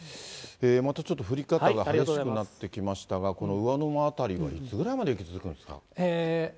またちょっと降り方が激しくなってきましたが、この魚沼辺りはいつぐらいまで雪、続くんですか？